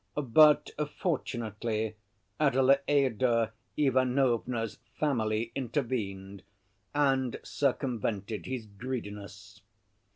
But, fortunately, Adelaïda Ivanovna's family intervened and circumvented his greediness.